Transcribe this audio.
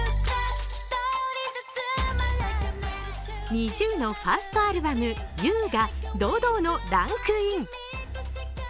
ＮｉｚｉＵのファーストアルバム「Ｕ」が堂々のランクイン。